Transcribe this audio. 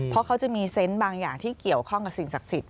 เพราะเขาจะมีเซนต์บางอย่างที่เกี่ยวข้องกับสิ่งศักดิ์สิทธิ